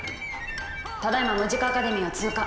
ただいまムジカ・アカデミーを通過。